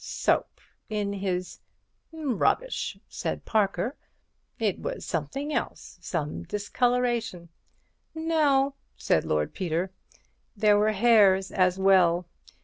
"Soap in his—Rubbish!" said Parker. "It was something else—some discoloration—" "No," said Lord Peter, "there were hairs as well.